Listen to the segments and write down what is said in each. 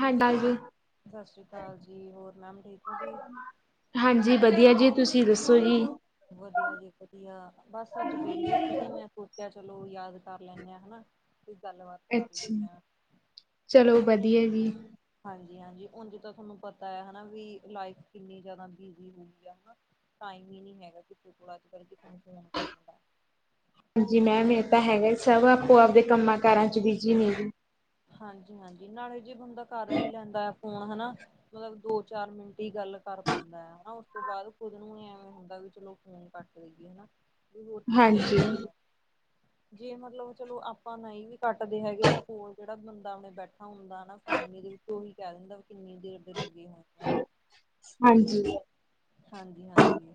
ਹਾਂ ਡਰ ਵੀ। ਸ਼ਸ਼ੀ ਕਾਲ ਜੀ, ਹੋਰ ਮੈਮ ਠੀਕ ਓ ਜੀ? ਹਾਂਜੀ ਵਧੀਆ ਜੀ ਤੁਸੀਂ ਦੱਸੋ ਜੀ? ਵਧੀਆ ਜੀ ਵਧੀਆ ਬਸ ਅੱਜ ਵਿਹਲੇ ਸੀਗੇ ਮੈਂ ਸੋਚਿਆ ਚਲੋ ਯਾਦ ਕਰ ਲੈਣੇ ਹਾਂ ਹਨਾ। ਕੋਈ ਗੱਲਬਾਤ ਕਰ ਅੱਛਾ, ਲੈਂਦੇ ਆ। ਚਲੋ ਵਧੀਆ ਜੀ। ਹਾਂਜੀ-ਹਾਂਜੀ ਉਝ ਤਾਂ ਥੋਹਾਨੂੰ ਪਤਾ ਹੈ ਵੀ ਲਾਈਫ ਕਿੰਨੀ ਜ਼ਿਆਦਾ ਬਿਜੀ ਹੋਗੀ ਆ ਹਨਾ। ਟਾਈਮ ਹੀ ਨੀ ਹੈਗਾ ਕਿਸੇ ਕੋਲ ਅੱਜ-ਕੱਲ੍ਹ ਕਿਸੇ ਨੂੰ ਫੋਨ ਕਰਨ ਦਾ। ਹਾਂਜੀ ਮੈਮ ਇਹ ਤਾਂ ਹੈਗਾ ਸਭ ਆਪੋ ਆਪਦੇ ਕੰਮਾਂ ਕਾਰਾਂ ਚ ਬਿਜੀ ਨੇ ਜੀ। ਹਾਂਜੀ - ਹਾਂਜੀ ਨਾਲੇ ਜੇ ਬੰਦਾ ਕਰ ਵੀ ਲੈਦਾ ਆ ਫੋਨ ਹਨਾ ਮਤਲਬ ਦੋ ਚਾਰ ਮਿੰਟ ਹੀ ਗੱਲ ਕਰ ਪਾਦਾ ਹੈ। ਹਨਾ ਉਸ ਤੋਂ ਬਾਅਦ ਖੁਦ ਨੂੰ ਐਵੇਂ ਹੁੰਦਾ ਵੀ ਚਲੋ ਫ਼ੋਨ ਕੱਟ ਦੇਈਏ। ਹਨਾ ਵੀ ਹੋਰ ਕੀ ਹਾਂਜੀ। ਗੱਲਾਂ ਕਰਾਂ। ਜੇ ਮਤਲਬ ਚਲੋ ਆਪਾਂ ਨਹੀਂ ਵੀ ਕੱਟਦੇ ਹੈਗੇ ਤਾਂ ਫੋਨ ਜਿਹੜਾ ਬੰਦਾ ਆਪਣੇ ਬੈਠਾ ਹੁੰਦਾ ਨਾ ਫੈਮਲੀ ਦੇ ਵਿੱਚ ਉਹੀ ਕਹਿ ਦਿੰਦਾ ਕਿੰਨੀ ਦੇਰ ਦੇ ਲੱਗੇ ਹੋਏ ਹਨਾ। ਹਾਂਜੀ। ਹਾਂਜੀ - ਹਾਂਜੀ।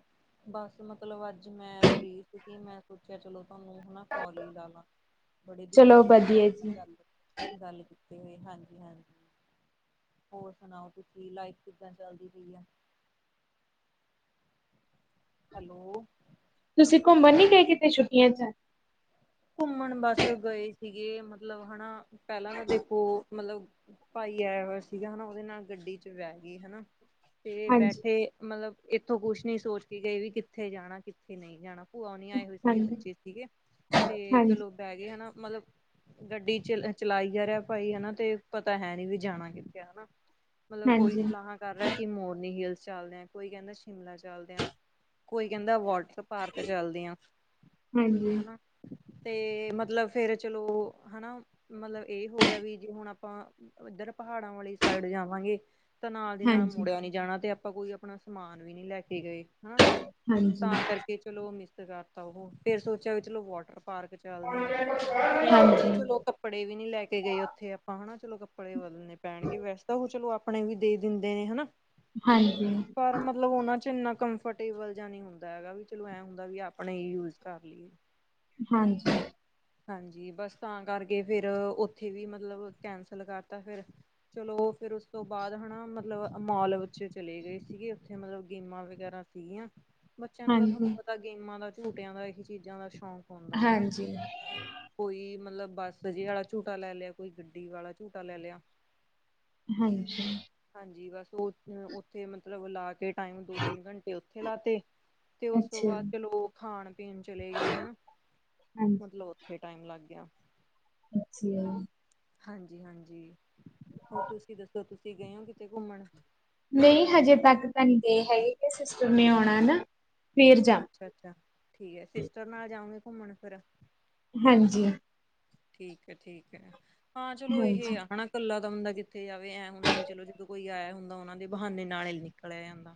ਬਸ ਮਤਲਬ ਅੱਜ ਮੈਂ ਫਰੀ ਸੀਗੀ ਮੈਂ ਸੋਚਿਆ ਚਲੋ ਮੈਂ ਤੁਹਾਨੂੰ ਹਨਾ ਕੋਲ ਹੀ ਲਾ ਲਾ। ਬੜੇ ਦਿਨ ਹੋ ਚਲੋ ਗਏ ਸੀ ਵਧੀਆ ਤੁਹਾਡੇ ਨਾਲ ਜੀ। ਗੱਲ ਗੱਲ ਕੀਤੇ ਹੋਏ ਹਾਂਜੀ - ਹਾਂਜੀ ਹੋਰ ਸੁਣਾਓ ਤੁਸੀਂ, ਲਾਈਫ ਕਿੱਦਾਂ ਚੱਲਦੀ ਪਈ ਆ। ਹੈਲੋ ਤੁਸੀਂ ਘੁੰਮਣ ਨੀ ਗਏ ਕੀਤੇ ਛੁੱਟੀਆਂ 'ਚ'। ਘੁੰਮਣ ਬਸ ਗਏ ਸੀਗੇ ਮਤਲਬ ਹਨਾ ਪਹਿਲਾਂ ਤਾਂ ਦੇਖੋ ਮਤਲਬ ਭਾਈ ਆਇਆ ਹੋਇਆ ਸੀਗਾ ਹਨਾ ਉਹਦੇ ਨਾਲ ਗੱਡੀ 'ਚ' ਵਹਿ ਗਈ ਹਨਾ। ਤੇ ਹਾਂਜੀ, ਬੈਠੇ ਮਤਲਬ ਇੱਥੋਂ ਕੁਛ ਨੀ ਸੋਚ ਕੇ ਗਏ ਵੀ ਕਿੱਥੇ ਜਾਣਾ ਕਿੱਥੇ ਨਹੀਂ ਜਾਣਾ? ਭੂਆ ਹੋਨੀ ਆਏ ਹੋਏ ਸੀਗੇ ਹਾਂਜੀ, ਬੱਚੇ ਸੀਗੇ ਤੇ ਹਾਂਜੀ, ਚਲੋ ਬਹਿ ਗਏ ਹਨਾ ਮਤਲਬ ਗੱਡੀ ਚ ਚਲਾਈ ਜਾ ਰਿਹਾ ਭਾਈ ਹਨਾ ਤੇ ਪਤਾ ਹੈ ਵੀ ਜਾਣਾ ਕਿੱਥੇ ਆ? ਹਨਾ ਮਤਲਬ ਕੋਈ ਹਾਂਜੀ, ਸਲਾਹਾ ਕਰ ਰਿਹਾ ਕਿ ਮੋਰਨੀ ਹਿਲਸ ਚੱਲਦੇ ਆ, ਕੋਈ ਕਹਿੰਦਾ ਸ਼ਿਮਲਾ ਚੱਲਦੇ ਆ, ਕੋਈ ਕਹਿੰਦਾ ਵਾਟਰ ਪਾਰਕ ਚਲਦੀਆਂ ਹਾਂਜੀ, ਹਾਂਜੀ। ਹਨਾ। ਤੇ ਮਤਲਬ ਫੇਰ ਚਲੋ ਹਨਾ ਮਤਲਬ ਇਹ ਹੋ ਗਿਆ ਵੀ ਜੇ ਹੁਣ ਆਪਾਂ ਇੱਧਰ ਪਹਾੜਾਂ ਵਾਲੀ ਸਾਈਡ ਜਾਵਾਂਗੇ। ਤਾਂ ਨਾਲ ਦੀ ਨਾਲ ਹਾਂਜੀ, ਮੁੜਿਆ ਨੀ ਜਾਣਾ ਤੇ ਆਪਾਂ ਕੋਈ ਆਪਣਾ ਸਮਾਨ ਵੀ ਨਹੀਂ ਲੈ ਕੇ ਗਏ ਹਨਾ। ਤਾਂ ਕਰਕੇ ਚਲੋ ਮਿਸ ਕਰਤਾ ਉਹੋ ਫੇਰ ਸੋਚਿਆ ਵੀ ਚਲੋ ਵਾਟਰ ਪਾਰਕ ਚੱਲਦੇ ਆ ਫੇਰ ਕਹਿੰਦੇ ਹਾਂਜੀ, ਚਲੋ ਕੱਪੜੇ ਵੀ ਨੀ ਲੈ ਕੇ ਗਏ ਉੱਥੇ ਆਪਾਂ ਹਨਾ ਚਲੋ ਕੱਪੜੇ ਬਦਲਣੇ ਪੈਣਗੇ ਵੈਸ ਤਾਂ ਉਹ ਚਲੋ ਆਪ- ਆਪਣੇ ਵੀ ਦਿੰਦੇ ਨੇ ਹਨਾ? ਹਾਂਜੀ ਪਰ ਮਤਲਬ ਉਹਨਾ 'ਚ' ਇੰਨਾ ਕੰਫਰਟੇਬਲ ਜਾਣੀ। ਹੁੰਦਾ ਹੈਗਾ ਵੀ ਚਲੋ ਐਂ ਹੁੰਦਾ ਵੀ ਆਪਣੇ ਹੀ ਯੂਜ ਕਰ ਲਈਏ। ਹਾਂਜੀ ਹਾਂਜੀ, ਬਸ ਤਾਂ ਕਰਕੇ ਫਿਰ ਉੱਥੇ ਵੀ ਮਤਲਬ ਕੈਂਸਲ ਕਰਤਾ ਫਿਰ। ਚਲੋ ਫਿਰ ਉਸ ਤੋਂ ਬਾਅਦ ਹਨਾ ਮਤਲਬ ਮੋਲ ਵਿੱਚ ਚਲੇ ਗਏ ਸੀਗੇ ਉੱਥੇ ਮਤਲਬ ਗੇਮਾਂ, ਵਗੈਰਾ ਸੀਗੀਆ ਬੱਚਿਆਂ ਨੂੰ ਤਾਂ ਤੁਹਾਨੂੰ ਹਾਂਜੀ। ਪਤਾ ਗੇਮਾਂ ਦਾ ਝੂਟਿਆਂ ਦਾ ਇਹੀ ਚੀਜ਼ਾਂ ਦਾ ਸ਼ੌਕ ਹੁੰਦਾ ਹਨਾ। ਹਾਂਜੀ, ਕੋਈ ਮਤਲਬ ਬੱਸਜੇ ਵਾਲਾ ਝੂਟਾ ਲੈ ਲਿਆ ਕੋਈ ਗੱਡੀ ਵਾਲਾ ਝੂਟਾ ਲੈ ਲਿਆ। ਹਾਂਜੀ ਹਾਂਜੀ, ਬਸ ਉਹ ਉੱਥੇ ਮਤਲਬ ਲਾ ਕੇ ਟਾਈਮ ਦੋ-ਤਿੰਨ ਘੰਟੇ ਉੱਥੇ ਲਾਤੇ। ਤੇ ਉਸ ਤੋਂ ਅੱਛਾ ਬਾਅਦ ਜੀ, ਚਲੋ ਉਹ ਖਾਣ-ਪੀਣ ਚਲੇ ਗਏ ਹਨਾ। ਹਾਂਜੀ, ਉੱਥੇ ਟਾਈਮ ਲੱਗ ਗਿਆ। ਅੱਛਿਆ। ਹਾਂਜੀ- ਹਾਂਜੀ ਹੋਰ ਤੁਸੀਂ ਦੱਸੋ ਤੁਸੀਂ ਗਏ ਹੋ ਕਿਤੇ ਘੁੰਮਣ? ਨਹੀਂ ਹਜੇ ਤੱਕ ਤਾਂ ਨੀ ਗਏ ਹੈਗੇ ਸਿਸਟਰ ਨੇ ਆਉਣਾ ਨਾ ਫੇਰ ਜਾਮਾ। ਅੱਛਾ-ਅੱਛਾ ਠੀਕ ਹੈ ਸਿਸਟਰ ਨਾਲ ਜਾਓਗੇ ਘੁੰਮਣ ਫਿਰ? ਹਾਂਜੀ। ਠੀਕ ਏ-ਠੀਕ ਏ, ਹਾਂ ਚਲੋ ਇਹ ਹਾਂਜੀ ਇਕੱਲਾ ਤਾਂ ਬੰਦਾ ਕਿੱਥੇ ਜਾਵੇ ਐਂ ਹੁੰਦਾ ਵੀ ਚਲੋ ਜਦੋਂ ਕੋਈ ਆਇਆ ਹੁੰਦਾ ਉਹਨਾਂ ਦੇ ਬਹਾਨੇ ਨਾਲੇ ਨਿਕਲਿਆ ਜਾਂਦਾ।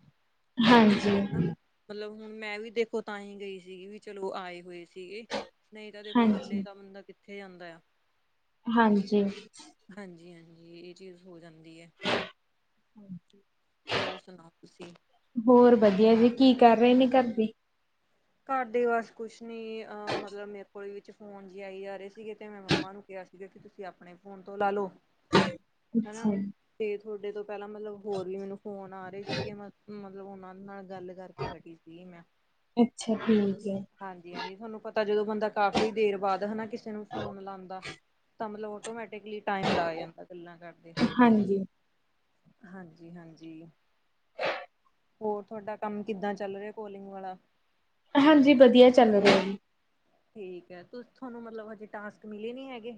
ਹਾਂਜੀ। ਹਨਾ। ਮਤਲਬ ਹੁਣ ਮੈਂ ਵੀ ਦੇਖੋ ਤਾਂਹੀ ਗਈ ਸੀਗੀ ਵੀ ਚਲੋ ਆਏ ਹੋਏ ਸੀਗੇ। ਨਹੀਂ ਤਾਂ ਦੇਖੋ ਇਕੱਲੇ ਹਾਂਜੀ ਤਾਂ ਬੰਦਾ ਕਿੱਥੇ ਜਾਂਦਾ ਆ। ਹਾਂਜੀ। ਹਾਂਜੀ- ਹਾਂਜੀ ਇਹ ਚੀਜ਼ ਹੋ ਜਾਂਦੀ ਹੈ। [inaudible] ਹੋਰ ਸੁਣਾਓ ਤੁਸੀਂ? ਹੋਰ ਵਧੀਆ ਜੀ, ਕੀ ਕਰ ਰਹੇ ਨੇ ਘਰਦੇ? ਘਰ ਦੇ ਬਸ ਕੁਛ ਨੀ ਅ ਮਤਲਬ ਮੇ ਕੋਈ ਵਿੱਚ ਫੋਨ ਜੇ ਆਈ ਜਾ ਰਹੇ ਸੀਗੇ ਤੇ ਮੈਂ ਮੰਮਾ ਨੂੰ ਕਿਹਾ ਸੀਗਾ ਕਿ ਤੁਸੀਂ ਆਪਣੇ ਫੋਨ ਤੋਂ ਲਾ ਲੋੋ। ਅੱਛਾ ਜੀ। ਤੇ ਥੋਡੇ ਤੋਂ ਪਹਿਲਾਂ ਮਤਲਬ ਹੋਰ ਵੀ ਮੈਨੂੰ ਫੋਨ ਆ ਰਹੇ ਸੀਗੇ ਮਤ ਮ ਮਤਲਬ ਉਹਨਾਂ ਦੇ ਨਾਲ ਗੱਲ ਕਰਕੇ ਹਟੀ ਸੀ ਮੈਂ ਅੱਛਾ, ਠੀਕ ਐ ਹਾਂਜੀ- ਹਾਂਜੀ ਥੋਨੂੰ ਪਤਾ ਜਦੋਂ ਬੰਦਾ ਕਾਫ਼ੀ ਦੇਰ ਬਾਅਦ ਹਨਾ ਕਿਸੇ ਨੂੰ ਫੋਨ ਲਾਉਂਦਾ। ਤਾਂ ਮਤਲਬ ਆਟੋਮੈਟਿਕਲੀ ਟਾਈਮ ਲੱਗ ਜਾਂਦਾ ਗੱਲਾਂ ਕਰਦੇ। ਹਾਂਜੀ। ਹਾਜੀ- ਹਾਜੀ। ਹੋਰ ਤੁਹਾਡਾ ਕੰਮ ਕਿੱਦਾਂ ਚੱਲ ਰਿਹਾ ਕੋਲਿੰਗ ਵਾਲਾ ਹਾਂਜੀ ਵਧੀਆ ਚੱਲ ਰਿਹਾ ਜੀ। ਠੀਕ ਏ ਤੁਸੀਂ ਤੁਹਾਨੂੰ ਮਤਲਬ ਹਜੇ ਟਾਸਕ ਮਿਲੇ ਨੀ ਹੈਗੇ।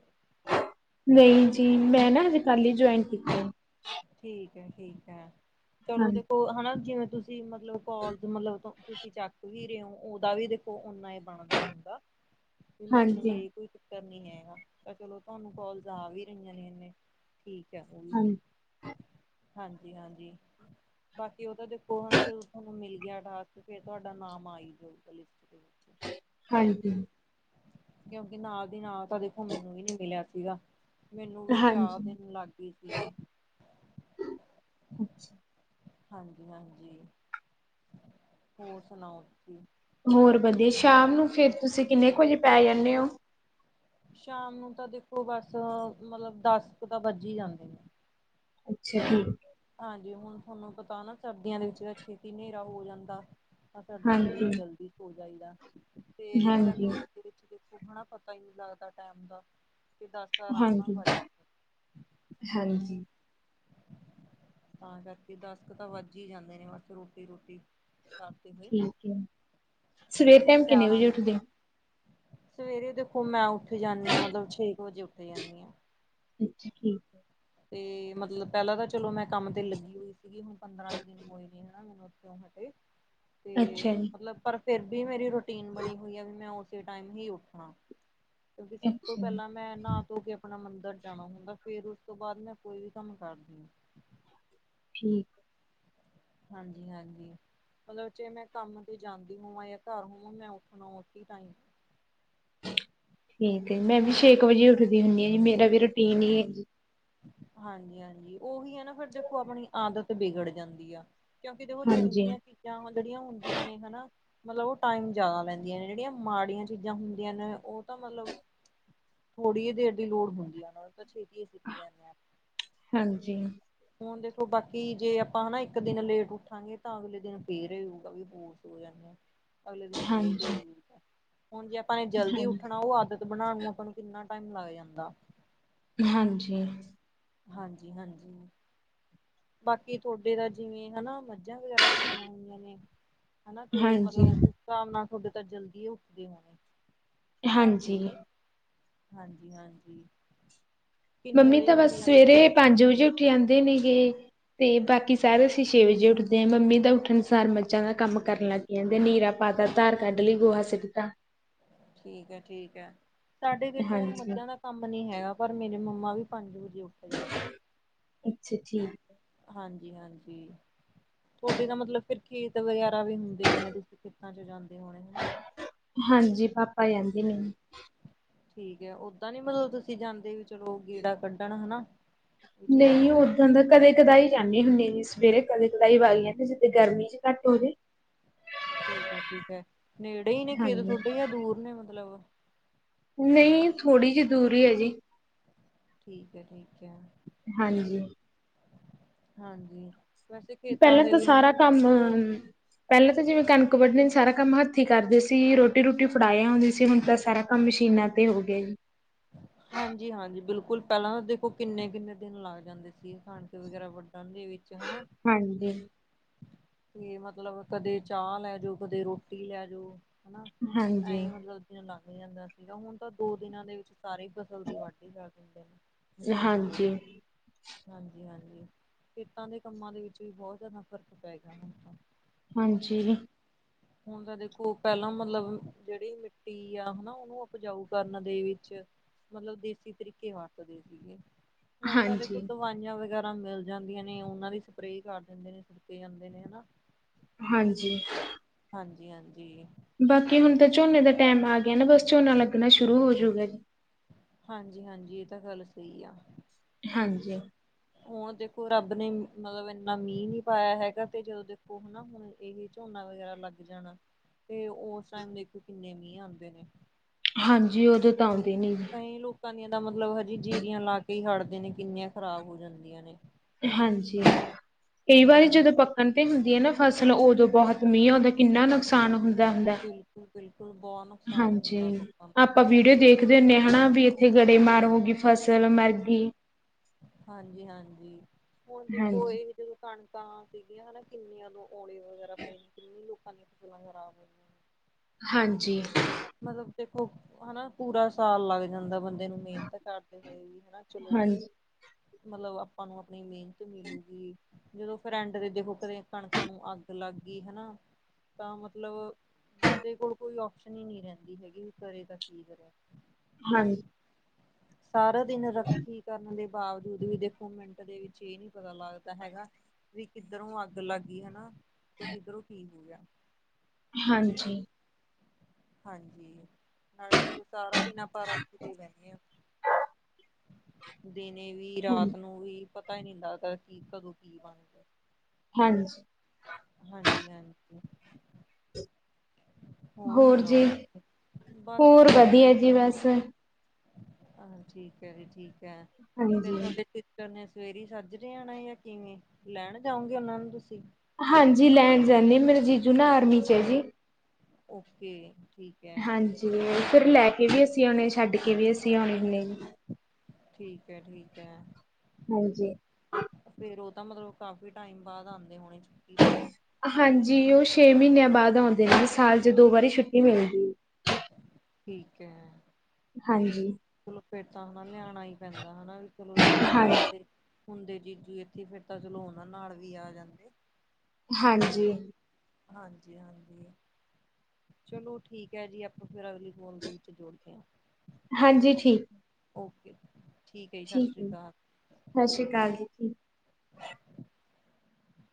ਨਹੀਂ ਜੀ ਮੈਂ ਨਾ ਅਜੇ ਕੱਲ ਹੀ ਜੁਆਇਨ ਕੀਤੇ। ਠੀਕ ਆ ਠੀਕ ਆ ਚਲੋ ਹਾਂਜੀ ਦੇਖੋ ਹਨਾ ਜਿਵੇਂ ਤੁਸੀਂ ਮਤਲਬ ਮਤਲਬ ਕੋਲ ਮਤਲਬ ਤੁਸੀਂ ਚੱਕ ਵੀ ਰਹੇ ਹੋ ਉਹਦਾ ਵੀ ਦੇਖੋ ਓਨਾ ਬਣਦਾ ਹੁੰਦਾ। ਵੀ ਮਤਲਬ ਹਾਂਜੀ ਇਹ ਕੋਈ ਚੱਕਰ ਨਹੀਂ ਹੈਗਾ ਤਾਂ ਚਲੋ ਤੁਹਾਨੂੰ ਕੋਲਸ ਆ ਵੀ ਰਹੀਆਂ ਨੇ ਇੰਨੇ ਠੀਕ ਆ ਉਹ ਵੀ। ਹਾਂਜੀ ਹਾਂਜੀ- ਹਾਂਜੀ। ਬਾਕੀ ਉਹ ਤਾਂ ਦੇਖੋ ਹਨਾ ਜਦੋਂ ਤੁਹਾਨੂੰ ਮਿਲ ਗਿਆ ਟਾਸਕ ਤੇ ਫਿਰ ਤੁਹਾਡਾ ਨਾਮ ਆਈ ਜਾਊਗਾ ਲਿਸਟ ਤੇ [inaudible] ਹਾਂਜੀ। ਕਿਉਂਕਿ ਨਾਲ ਦੀ ਨਾਲ ਤਾਂ ਦੇਖੋ ਮੈਨੂੰ ਵੀ ਨਹੀਂ ਮਿਲਿਆ ਸੀਗਾ ਮੈਨੂੰ ਵੀ ਚਾਰ ਹਾਂਜੀ ਦਿਨ ਲੱਗ ਗਏ ਸੀਗੇ। ਅੱਛਾ ਹਾਂਜੀ- ਹਾਂਜੀ। ਹੋਰ ਸੁਣਾਓ ਤੁਸੀਂ ਹੋਰ ਵਧੀਆ ਸ਼ਾਮ ਨੂੰ ਫਿਰ ਤੁਸੀਂ ਕਿੰਨੇ ਕੁ ਵਜੇ ਪੈ ਜਾਂਦੇ ਹੋ? ਸ਼ਾਮ ਨੂੰ ਤਾਂ ਦੇਖੋ ਬਸ ਮਤਲਬ ਦਸ ਕੁ ਤਾਂ ਵੱਜੀ ਹੀ ਜਾਂਦੇ ਨੇ ਅੱਛਾ ਠੀਕ ਹਾਂਜੀ ਹੁਣ ਤੁਹਾਨੂੰ ਪਤਾ ਨਾ ਸਰਦੀਆਂ ਦੇ ਵਿੱਚ ਤਾਂ ਛੇਤੀ ਹਨੇਰਾ ਹੋ ਜਾਂਦਾ। ਤਾਂ ਸਰਦੀਆਂ ਦੇ ਵਿੱਚ ਹਾਂਜੀ ਜਲਦੀ ਸੋ ਜਾਈਦਾ ਤੇ ਹਾਂਜੀ ਗਰਮੀਆਂ ਦੇ ਵਿੱਚ ਦੇਖੋ ਉਹ ਹਨਾ ਪਤਾ ਹੀ ਨਹੀਂ ਲੱਗਦਾ ਟਾਇਮ ਦਾ ਤੇ ਦਸ ਤਾਂ ਆਰਾਮ ਨਾਲ ਵੱਜ ਜਾਂਦੇ ਨੇ, ਹਾਂਜੀ-ਹਾਂਜੀ। ਤਾਂ ਕਰਕੇ ਦਸ ਕੁ ਤਾ ਵੱਜ ਹੀ ਜਾਂਦੇ ਨੇ ਬਸ ਰੋਟੀ- ਰੋਟੀ ਕਰਦੇ ਹੋਏ ਠੀਕ ਆ, ਸਵੇਰ ਟਾਈਮ ਕਿੰਨੇ ਸਿਆਲਾਂ ਵਜੇ ਨੇ ਉੱਠਦੇ ਹੋ? ਸਵੇਰੇ ਦੇਖੋ ਮੈਂ ਉੱਠੇ ਜਾਂਦੀ ਹਾਂ ਮਤਲਬ ਛੇ ਕੁ ਵਜੇ ਉੱਠੇ ਜਾਂਦੀ ਹਾਂ। ਅੱਛਾ, ਠੀਕ ਤੇ ਮਤਲਬ ਪਹਿਲਾਂ ਤਾਂ ਚਲੋ ਮੈਂ ਕੰਮ ਤੇ ਲੱਗੀ ਹੋਈ ਸੀਗੀ ਹੁਣ ਪੰਦਰਾਂ ਕੁ ਦਿਨ ਹੋਏ ਵੀ ਹਨਾ ਉੱਥੋਂ ਹਟੇ ਹੈ। ਤੇ ਅੱਛਾ ਜੀ। ਮਤਲਬ ਪਰ ਫਿਰ ਵੀ ਮੇਰੀ ਰੁਟੀਨ ਬਣੀ ਹੋਈ ਆ ਵੀ ਮੈਂ ਉਸੇ ਟਾਈਮ ਹੀ ਉੱਠਾ। ਕਿਉਂਕਿ ਸਭ ਤੋਂ ਅੱਛਾ। ਜੀ ਪਹਿਲਾਂ ਮੈਂ ਨਹਾ ਧੋ ਕੇ ਆਪਣਾ ਮੰਦਿਰ ਜਾਣਾ ਹੁੰਦਾ ਫੇਰ ਉਸ ਉਸ ਤੋਂ ਕੋਈ ਵੀ ਕੰਮ ਕਰਦੀ ਹਾਂ। ਠੀਕ ਹਾਂਜੀ- ਹਾਂਜੀ। ਮਤਲਬ ਜੇ ਮੈਂ ਕੰਮ ਤੇ ਜਾਂਦੀ ਹੋਵਾਂ ਜਾਂ ਘਰ ਹੋਵਾਂ ਮੈਂ ਉੱਠਣਾ ਉੱਹੀ ਟਾਇਮ ਠੀਕ ਏ ਮੈਂ ਵੀ ਹਾਂ ਛੇ ਕੁ ਵਜੇ ਉੱਠਦੀ ਹੁੰਦੀ ਹਾਂ ਜੀ ਮੇਰਾ ਵੀ ਰੁਟੀਨ ਹੀ ਏ ਹਾਂਜੀ-ਹਾਂਜੀ ਉਹੀ ਏ ਨਾ ਫਿਰ ਦੇਖੋ, ਆਪਣੀ ਆਦਤ ਵਿਗੜ ਜਾਂਦੀ ਆ ਕਿਉਂਕਿ ਦੇਖੋ ਹਾਂਜੀ, ਚੰਗੀਆਂ ਚੀਜ਼ਾਂ ਹੁਣ ਜਿਹੜੀਆਂ ਹੁੰਦੀਆਂ ਨੇ ਹਨਾ। ਮਤਲਬ ਉਹ ਟਾਈਮ ਜਿਆਦਾ ਲੈਂਦੀਆਂ ਨੇ ਜਿਹੜੀਆਂ ਮਾੜੀਆਂ ਚੀਜ਼ਾਂ ਹੁੰਦੀਆਂ ਨੇ ਉਹ ਤਾਂ ਮਤਲਬ ਥੋੜੀ ਦੇਰ ਦੀ ਲੋੜ ਹੁੰਦੀ ਆ, ਉਹਨਾਂ ਨੂੰ ਤਾਂ ਛੇਤੀ ਸਿੱਖ ਜਾਨੇ ਆ। ਹਾਂਜੀ। ਹੁਣ ਦੇਖੋ ਬਾਕੀ ਜੇ ਆਪਾਂ ਹਨਾ, ਇੱਕ ਦਿਨ ਲੇਟ ਉੱਠਾਂਗੇ ਤਾਂ ਅਗਲੇ ਦਿਨ ਫੇਰ ਹਊਗਾ ਵੀ ਹੋਰ ਸੋ ਹੋ ਜਾਂਦਾ ਐ, ਅਗਲੇ ਦਿਨ ਫਿਰ ਹਾਂਜੀ, ਇਹੀ ਹੋਵੇਗਾ ਹੁਣ ਜੇ ਨੇ ਜਲਦੀ ਹਾਂਜੀ। ਉੱਠਣਾ ਉਹ ਆਦ ਤ ਬਣਾਉਣ ਨੂੰ ਆਪਾਂ ਨੂੰ ਕਿੰਨਾ ਟਾਈਮ ਲੱਗ ਜਾਂਦਾ। ਹਾਂਜੀ। ਹਾਂਜੀ-ਹਾਂਜੀ। ਬਾਕੀ ਥੋੜੇ ਤਾ ਜਿਵੇਂ ਹਨਾ, ਮੱਝਾਂ ਵਗੈਰਾ ਰੱਖੀਆਂ ਹੋਈਆਂ ਨੇ। ਹਨਾ ਤੇ, ਮਤਲਬ ਹਾਂਜੀ, ਉਸ ਹਿਸਾਬ ਨਾਲ ਤੁਹਾਡੇ ਤਾਂ ਜਲਦੀ ਉੱਠਦੇ ਹੋਣੇ। ਆਪਦੇ ਹਾਂਜੀ। ਵੇ, ਹਾਂਜੀ-ਹਾਂਜੀ। ਕਿੰਨੇ ਮੰਮੀ ਵਜੇ ਤਾਂ ਉੱਠ ਬਸ, ਜਾਂਦੇ ਨੇ ਸਵੇਰੇ ਪੰਜ ਵਜੇ ਉੱਠ ਜਾਂਦੇ ਨੇ ਗੇ। ਤੇ ਬਾਕੀ ਸਾਰੇ ਅਸੀਂ ਛੇ ਵਜੇ ਉੱਠਦੇ, ਮੰਮੀ ਦਾ ਉੱਠਣ ਸਾਰ ਮੱਝਾਂ ਦਾ ਕੰਮ ਕਰਨ ਲੱਗ ਕਹਿੰਦੇ ਨੀਰਾ ਪਾਤਾ, ਧਾਰ ਕੱਢ ਲਈ, ਗੋਹਾ ਸਿੱਟਦਾ। ਠੀਕ ਐ ਠੀਕ ਐ, ਸਾਡੇ ਤੇ ਫੋਨ ਹਾਂਜੀ। ਮੱਝਾਂ ਦਾ ਕੰਮ ਨੀ ਹੈਗਾ, ਪਰ ਮੇਰੇ ਮੰਮਾ ਵੀ ਪੰਜ ਵਜੇ ਉੱਠ ਜਾਂਦੇ ਨੇ। ਅੱਛਾ, ਠੀਕ। ਹਾਂਜੀ- ਹਾਂਜੀ। ਤੁਹਾਡੇ ਤਾਂ ਮਤਲਬ ਫਿਰ ਖੇਤ ਵਗੈਰਾ ਵੀ ਹੁੰਦੇ ਹੋਣੇ, ਤੁਸੀਂ ਖੇਤਾਂ 'ਚ ਜਾਂਦੇ ਹੋਣੇ ਹਨਾ? ਹਾਂਜੀ ਪਾਪਾ ਜਾਂਹਦੇ ਨੇ। ਠੀਕ ਹੈ, ਓਦਾਂ ਨੀ ਮਤਲਬ ਤੁਸੀਂ ਜਾਂਦੇ ਵੀ ਚਲੋ ਗੇੜਾ ਕੱਢਣ ਹਨਾ? ਵੀ ਚਲੋ ਨਹੀਂ, ਥੋੜਾ ਜਿਹਾ ਓਦਾਂ ਦਾ ਕਦੇ-ਕਦਾਈ ਜਾਂਦੇ ਹੁਨੇ ਜੀ, ਸਵੇਰੇ ਕਦੇ-ਕਦਾਈ ਵਗ ਜਾਨੇ ਆ ਜਿੱਦੇ ਗਰਮੀ ਜੀ ਘੱਟ ਹੋਵੇ। ਠੀਕ ਹੈ, ਠੀਕ ਹੈ, ਨੇੜੇ ਹੀ ਨੇ ਖੇਤ ਹਾਂਜੀ। ਤੁਹਾਡੇ ਜਾਂ ਦੂਰ ਨੇ ਮਤਲਬ? ਨਹੀਂ, ਥੋੜ੍ਹੀ ਜੀ ਦੂਰ ਐ ਜੀ। ਠੀਕ ਜੀ ਐ, ਠੀਕ ਐ। ਹਾਂਜੀ। ਹਾਂਜੀ। ਵੈਸੇ ਖੇਤਾਂ ਪਹਿਲਾਂ ਦੇ ਤਾਂ ਵੀ ਹਨਾ ਸਾਰਾ ਬੜਾ ਕੰਮ ਪਹਿਲਾਂ ਤਾਂ ਜਿਵੇਂ ਕਣਕ ਵੱਢਣੀ ਸਾਰਾ ਕੰਮ ਹੱਥਂ ਕਰਦੇ ਸੀ ਰੋਟੀ -ਰੂਟੀ ਫੜਾਇਆ ਆਉਦੀ ਸੀ ਹੁਣ ਤਾਂ ਸਾਰਾ ਕੰਮ ਮਸ਼ੀਨਾਂ ਤੇ ਹੋ ਗਿਆ ਜੀ। ਹਾਂਜੀ - ਹਾਂਜੀ ਬਿਲਕੁਲ ਪਹਿਲਾਂ ਤਾਂ ਦੇਖੋ ਕਿੰਨੇ - ਕਿੰਨੇ ਦਿਨ ਲੱਗ ਜਾਂਦੇ। ਸੀ ਕਣਕ ਵਗੈਰਾ ਵੱਡਣ ਦੇ ਵਿੱਚ ਹਨਾ। ਹਾਂਜੀ। ਤੇ ਮਤਲਬ ਕਦੇ ਚਾਹ ਲੈ ਜਓ, ਕਦੇ ਰੋਟੀ ਲੈ ਜਾਓ। ਹਨਾ, ਹਾਂਜੀ। ਐਂ ਮਤਲਬ ਦਿਨ ਲੰਘ ਜਾਂਦਾ ਸੀਗਾ ਹੁਣ ਤਾਂ ਦੋ ਦਿਨਾਂ ਦੇ ਵਿੱਚ ਸਾਰੀ ਫਸਲ ਦੀ ਵਾਢੀ ਕਰ ਦਿੰਦੇ ਨੇ ਮਸ਼ੀਨਾਂ ਦੇ ਹਾਂਜੀ। ਨਾਲ। ਹਾਂਜੀ - ਹਾਂਜੀ। ਖੇਤਾਂ ਦੇ ਕੰਮਾਂ ਦੇ ਵਿੱਚ ਵੀ ਬਹੁਤ ਜ਼ਿਆਦਾ ਫ਼ਰਕ ਪੈ ਗਿਆ ਹੁਣ ਤਾਂ। ਹਾਂਜੀ। ਹੁਣ ਤਾਂ ਦੇਖੋ ਪਹਿਲਾਂ ਮਤਲਬ ਜਿਹੜੀ ਮਿੱਟੀ ਹਨਾ, ਉਹਨੂੰ ਉਪਜਾਊ ਕਰਨ ਦੇ ਵਿੱਚ ਮਤਲਬ ਦੇਸੀ ਤਰੀਕੇ ਵਰਤਦੇ ਸੀਗੇ, ਹੁਣ ਤਾਂ ਦੇਖੋ ਹਾਂਜੀ। ਦਵਾਈਆਂ ਵਗੈਰਾ ਮਿਲ ਜਾਂਦੀਆਂ ਨੇ, ਉਹਨਾਂ ਦੀ ਸਪਰੇਅ ਕਰ ਦਿੰਦੇ ਨੇ ਸੁੜਕੇ ਜਾਂਦੇ ਨੇ ਹਨਾ। ਹਾਂਜੀ। ਹਾਂਜੀ - ਹਾਂਜੀ। ਬਾਕੀ ਹੁਣ ਤਾਂ ਝੋਨੇ ਦਾ ਟਾਈਮ ਆ ਗਿਆ ਨਾ, ਬਸ ਝੋਨਾ ਲੱਗਣਾ ਸ਼ੁਰੂ ਹੋਜੂਗਾ ਜੀ। ਹਾਂਜੀ - ਹਾਂਜੀ, ਇਹ ਤਾਂ ਗੱਲ ਸਹੀ ਆ। ਹਾਂਜੀ। ਹੁਣ ਦੇਖੋ ਰੱਬ ਨੇ ਮ ਮਤਲਬ ਇੰਨਾ ਮੀਂਹ ਨੀ ਪਾਇਆ ਹੈਗਾ ਤੇ ਜਦੋਂ ਦੇਖੋ ਹਨਾ ਹੁਣ ਹੁਣ ਇਹੇ ਝੋਨਾ ਵਗੈਰਾ ਲੱਗ ਜਾਣਾ ਤੇ ਉਸ ਟਾਈਮ ਦੇਖੋ ਕਿੰਨੇ ਮੀਂਹ ਆਂਦੇ ਨੇ। ਹਾਂਜੀ ਉਦੋਂ ਤਾਂ ਆਉਂਦੇ ਨੀ। ਜੀ ਕਈ ਲੋਕਾਂ ਦੀਆਂ ਤਾਂ ਮਤਲਬ ਹਜੇ ਜੀਰੀਆਂ ਲਾ ਕੇ ਹੀ ਹੜਦੇ ਨੇ ਕਿੰਨੀਆਂ ਖਰਾਬ ਹੋ ਜਾਂਦੀਆਂ ਨੇ। ਹਾਂਜੀ, ਕਈ ਵਾਰੀ ਹਾਂਜੀ-ਹਾਂਜੀ ਜਦੋਂ ਪ- ਪੱਕਣ ਤੇ ਹੁੰਦੀ ਨਾ ਫਸਲ ਉਦੋਂ ਬਹੁਤ ਮੀਂਹ ਆਉਦਾ ਦਾ ਕਿੰਨਾ ਨੁਕਸਾਨ ਹੁੰਦਾ, ਹੁੰਦਾ। ਬਿਲਕੁਲ ਬਿਲਕੁਲ ਬਹੁਤ ਨੁਕਸਾਨ ਹੁੰਦਾ ਲੋਕਾਂ ਨੂੰ। ਆਪਾਂ ਵੀਡੀਓ ਦੇਖਦੇ ਹੁੰਨੇ ਹਨਾ ਵੀ ਇੱਥੇ ਗੜੇ ਮਾਰ ਹੋ ਗਈ ਫਸਲ ਮਰਗੀ ਹਾਂਜੀ - ਹਾਂਜੀ ਹੁਣ ਦੇਖੋ ਹਾਂਜੀ, ਇਹ ਜਦੋਂ ਕਣਕਾਂ ਸੀਗੀਆਂ ਹਨਾ ਕਿੰਨਿਆ ਓਲੇ ਵਗੈਰਾ ਪਏ ਨੇ ਕਿੰਨੇ ਲੋਕਾਂ ਦੀਆਂ ਫਸਲਾਂ ਖਰਾਬ ਹੋਈਆਂ। ਨੇ ਹਾਂਜੀ। ਮਤਲਬ ਦੇਖੋ ਹਨਾ ਪੂਰਾ ਸਾਲ ਲੱਗ ਜਾਂਦਾ ਬੰਦੇ ਨੂੰ। ਮਿਹਨਤ ਕਰਦੇ ਹੋਏ ਵੀ ਹਨਾ ਚਲੋ। ਹਾਂਜੀ, ਮਤਲਬ ਆਪਾਂ ਆਪਣੀ ਮਿਹਨਤ ਮਿਲੂਗੀ। ਜਦੋਂ ਫਿਰ ਐਂਡ ਤੇ ਦੇਖੋ ਕਦੇ ਕਣਕਾਂ ਨੂੰ ਅੱਗ ਲੱਗ ਗਈ ਹਨਾ। ਤਾਂ ਮਤਲਬ ਬੰਦੇ ਕੋਲ ਕੋਈ ਆਪਸ਼ਨ ਨੀ ਰਹਿੰਦੀ ਹੈਗੀ ਕਰੇ ਤਾਂ ਕੀ ਕਰੇ। ਹਾਂਜੀ ਸਾਰਾ ਦਿਨ ਰਾਖੀ ਕਰਨ ਦੇ ਬਾਵਜੂਦ ਵੀ ਦੇਖੋ ਮਿੰਟ ਦੇ ਵਿੱਚ ਇਹ ਨੀ ਪਤਾ ਲੱਗਦਾ ਹੈਗਾ ਵੀ ਕਿੱਧਰੋਂ ਅੱਗ ਲੱਗ ਗਈ ਹਨਾ ਤੇ ਕਿੱਧਰੋਂ ਕੀ ਹੋ ਗਿਆ। ਹਾਂਜੀ ਹਾਂਜੀ, ਨਾਲੇ ਦੇਖੋ ਸਾਰਾ ਦਿਨ ਆਪਾਂ ਰਾਖੀ ਤੇ ਬਹਿੰਦੇ ਆ। ਦਿਨੇ ਵੀ, ਹੂੰ, ਰਾਤ ਨੂੰ ਵੀ, ਪਤਾ ਹੀ ਨਹੀਂ ਲੱਗਦਾ, ਕਿ ਕਦੋਂ ਕੀ ਬਣ ਗਿਆ ਹਾਂਜੀ। ਹਾਂਜੀ- ਹਾਂਜੀ। ਹੋਰ ਜੀ, ਬਸ ਹੋਰ ਠੀਕ ਹੈ ਵਧੀਆ ਜੀ ਬਸ। ਹਾਂ ਠੀਕ ਹੈ ਜੀ ਠੀਕ ਹੈ, ਤੇ ਫੇਰ ਹਾਂਜੀ, ਤੁਹਾਡੇ ਤੇ ਉਹਨੇ ਸਵੇਰੇ ਹੀ ਸੱਜਰੇ ਆਣਾ ਜਾਂ ਕਿਵੇਂ, ਲੈਣ ਜਾਓਗੇ ਉਹਨਾਂ ਨੂੰ ਤੁਸੀਂ? ਹਾਂਜੀ ਲੈਣ ਜਾਂਦੀ ਆ ਮੇਰਾ ਜੀਜੂ ਨਾ ਆਰਮੀ 'ਚ ਆ। ਓਕੇ। ਠੀਕ ਹੈ ਹਾਂਜੀ, ਫਿਰ ਲੈ ਕੇ ਵੀ ਅਸੀਂ ਆਉਣੇ ਛੱਡ ਕੇ ਵੀ ਅਸੀਂ ਆਉਣੇ ਹੁੰਨੇ ਆ ਜੀ। ਠੀਕ ਹੈ- ਠੀਕ ਹੈ। ਹਾਂਜੀ। ਫੇਰ ਉਹ ਤਾਂ ਮਤਲਬ ਕਾਫ਼ੀ ਟਾਈਮ ਬਾਅਦ ਆਉਂਦੇ ਹੋਣੇ ਛੁੱਟੀ ਤੇ। ਹਾਂਜੀ ਉਹ ਛੇ ਮਹੀਨਿਆਂ ਬਾਅਦ ਆਉਂਦੇ ਨੇ ਸਾਲ 'ਚ ਦੋ ਵਾਰੀ ਛੁੱਟੀ ਮਿਲਦੀ ਆ। ਠੀਕ ਹੈ। ਹਾਂਜੀ। ਚਲੋ ਫਿਰ, [unintelligible] ਤਾਂ ਹਨਾ ਲਿਆਣਾ ਹੀ ਪੈਂਦਾ ਹਨਾ ਵੀ ਚਲੋ ਜੇਤਾ ਹਾਂ ਤੁਹਾਡੇ ਹੁੰਦੇ ਜੀਜੂ ਇੱਥੇ ਤਾਂ ਫਿਰ ਚਲੋ ਉਹਨਾ ਨਾਲ ਵੀ ਆ ਜਾਂਦੇ। ਹਾਂਜੀ। ਹਾਂਜੀ - ਹਾਂਜੀ। ਚਲੋ ਠੀਕ ਹੈ ਜੀ ਆਪਾਂ ਫਿਰ ਅਗਲੀ ਫੋਨ ਦੇ ਵਿੱਚ ਜੋੜਦੇ ਹਾਂ। ਹਾਂਜੀ ਠੀਕ। ਓਕੇ। ਜੀ ਸਤਿ ਠੀਕ ਸ਼੍ਰੀ ਹੈ, ਅਕਾਲ ਸਤਿ ਸ੍ਰੀ ਆਕਾਲ ਜੀ।